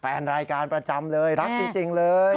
แฟนรายการประจำเลยรักจริงเลย